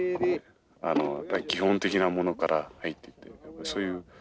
基本的なものから入っていってそういう止めて蹴る。